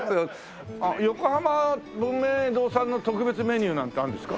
横濱文明堂さんの特別メニューなんてあるんですか？